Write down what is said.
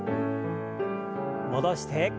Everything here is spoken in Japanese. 戻して。